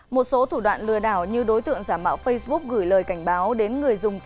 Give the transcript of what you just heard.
một số thủ đoạn lừa đảo như đối tượng giả mạo facebook gửi lời cảnh báo đến người dùng